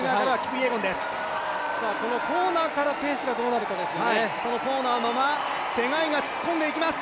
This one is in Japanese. コーナーからペースがどうなるかですよね。